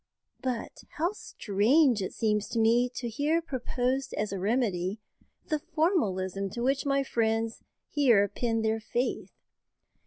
But how strange it seems to me to hear proposed as a remedy the formalism to which my friends here pin their faith!